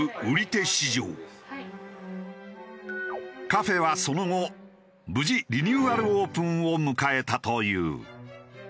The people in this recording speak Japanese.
カフェはその後無事リニューアルオープンを迎えたという。